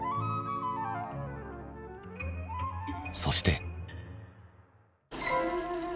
そして。